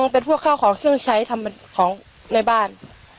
เป็นพวกข้าวของเครื่องใช้ทำของในบ้าน